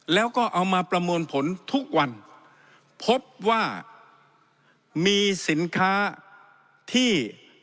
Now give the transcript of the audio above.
แล้วก็เอามาประมวลผลทุกวันพบว่ามีสินค้าที่